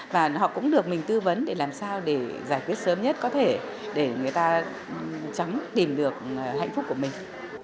và họ cũng được mình tư vấn để làm sao để giải quyết sớm nhất có thể để người ta chấm tìm được hạnh phúc của mình